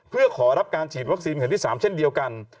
เพื่อขอรับการฉีดวัคซีนเข็มที่๓เช่นเดียวกัน